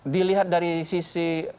dilihat dari sisi